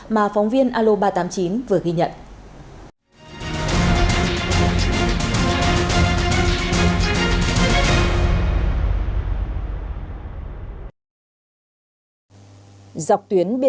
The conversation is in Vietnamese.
mà phóng viên alo ba trăm tám mươi chín vừa nói